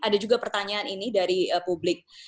dan juga pertanyaan ini dari publik